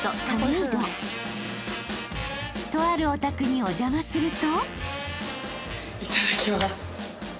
［とあるお宅にお邪魔すると］